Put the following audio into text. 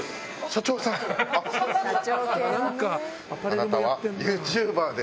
社長さん！